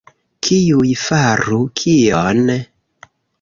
Kiuj faru kion?